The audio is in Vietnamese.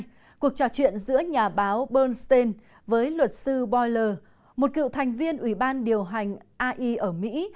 năm hai nghìn hai cuộc trò chuyện giữa nhà báo bernstein với luật sư boyle một cựu thành viên ủy ban điều hành ai ở mỹ